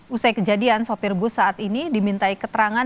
usai kejadian sopir bus saat ini dimintai keterangan